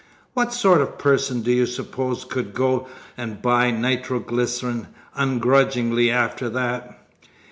What sort of person do you suppose could go and buy nitroglycerine ungrudgingly after that?